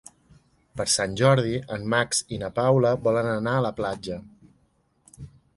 Per Sant Jordi en Max i na Paula volen anar a la platja.